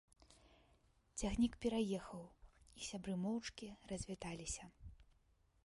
Цягнік пераехаў, і сябры моўчкі развіталіся.